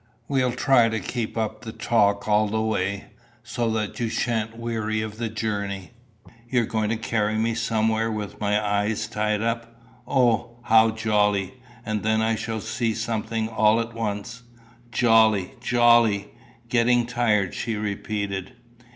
"We'll try to keep up the talk all the way, so that you sha'n't weary of the journey." "You're going to carry me somewhere with my eyes tied up. O! how jolly! And then I shall see something all at once! Jolly! jolly! Getting tired!" she repeated.